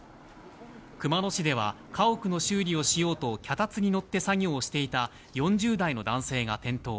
熊野市では、家屋の修理をしようと、脚立に乗って作業をしていた４０代の男性が転倒。